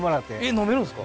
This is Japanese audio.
飲めるんですか？